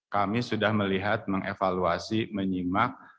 kami sudah melihat mengevaluasi menyimak